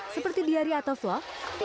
seperti diari atau vlog